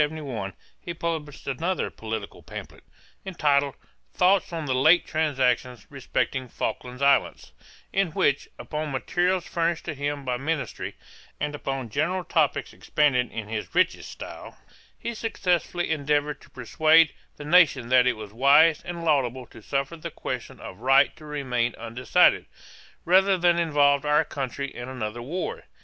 In 1771 he published another political pamphlet, entitled Thoughts on the late Transactions respecting Falkland's Islands, in which, upon materials furnished to him by ministry, and upon general topicks expanded in his richest style, he successfully endeavoured to persuade the nation that it was wise and laudable to suffer the question of right to remain undecided, rather than involve our country in another war.